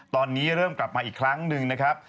ตอนนี้เริ่มกลับมาอีกครั้งหนึ่งนะครับ